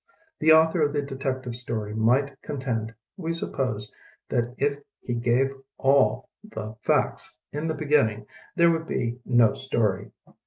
The author of the detective story might contend, we suppose, that if he gave all the facts in the beginning there would be no story.